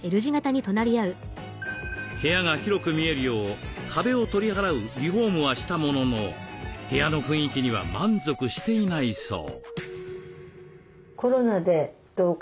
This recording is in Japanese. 部屋が広く見えるよう壁を取り払うリフォームはしたものの部屋の雰囲気には満足していないそう。